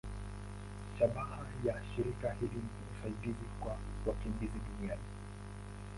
Shabaha ya shirika hili ni usaidizi kwa wakimbizi duniani.